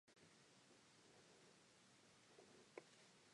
He played college football at MacMurray College and Syracuse.